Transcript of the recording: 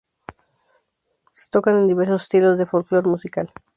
Se tocan en diversos estilos de folklor musical.